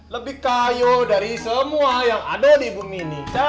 lebih kayo dari semua yang ada di bumi ini